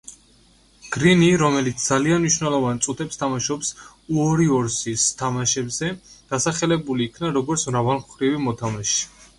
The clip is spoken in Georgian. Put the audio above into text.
გრინი, რომელიც ძალიან მნიშვნელოვან წუთებს თამაშობს უორიორსის თამაშებზე, დასახელებული იქნა როგორც მრავალმხრივი მოთამაშე.